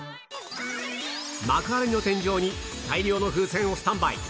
幕張の天井に大量の風船をスタンバイ。